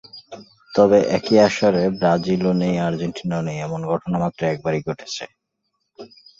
তবে একই আসরে ব্রাজিলও নেই আর্জেন্টিনাও নেই—এমন ঘটনা মাত্র একবারই ঘটেছে।